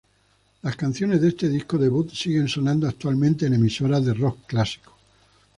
Las canciones de este disco debut siguen sonando actualmente en emisoras de rock clásico.